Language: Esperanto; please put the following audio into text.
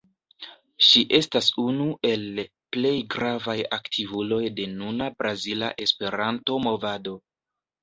Ŝi estas unu el plej gravaj aktivuloj de nuna brazila Esperanto-Movado.